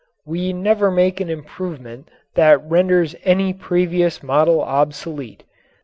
We never make an improvement that renders any previous model obsolete.